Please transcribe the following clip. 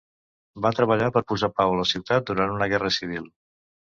Va treballar per posar pau a la ciutat durant una guerra civil.